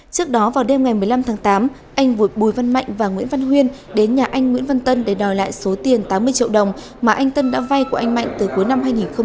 trước đó vào đêm ngày một mươi năm tháng tám anh vụt bùi văn mạnh và nguyễn văn huyên đến nhà anh nguyễn văn tân để đòi lại số tiền tám mươi triệu đồng mà anh tân đã vay của anh mạnh từ cuối năm hai nghìn một mươi ba